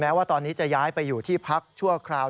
ว่าตอนนี้จะย้ายไปอยู่ที่พักชั่วคราว